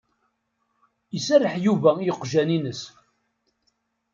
Iserreḥ Yuba i yiqjan-ines.